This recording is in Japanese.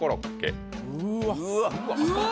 うわ。